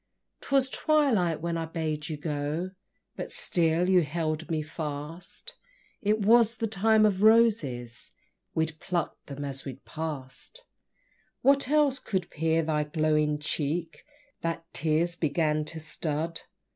'Twas twilight, and I bade you go, But still you held me fast; It was the Time of Roses, We pluck'd them as we pass'd. What else could peer thy glowing cheek, That tears began to stud?